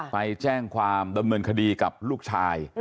ไปแจ้งความดำเนินคดีกับลูกชาย